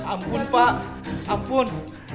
ampun pak ampun